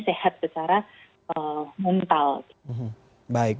sehat secara mental